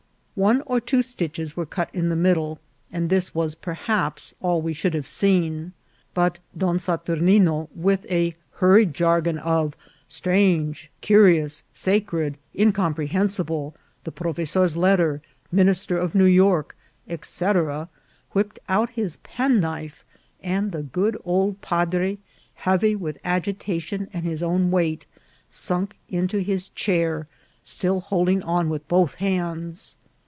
One or two stitches were cut in the middle, and this was perhaps all we should have seen ; but Don Saturnino, with a hurried jargon of " strange, curious, sacred, in comprehensible, the provesor's letter, minister of New York," &c., whipped out his penknife, and the good old padre, heavy •with agitation and his own weight, sunk into his chair, still holding on with both hands.